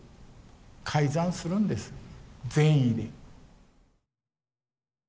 改ざんするんです善意で。